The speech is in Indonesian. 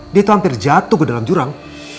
dia itu hampir jatuh ke dalam jurang